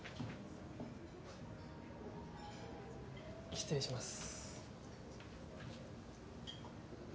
失礼します。